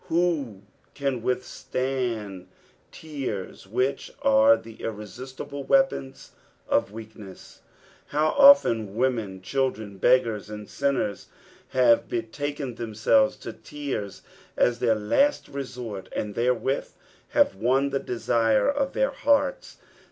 Who can withstand tears, which are tlie irresistible weapons of weakness ? How often women, children, beggars, and sinners, have betaken themselves to tears as their last reaort. and therewith have won the desire of their hearts